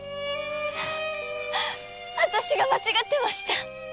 あたしが間違ってました。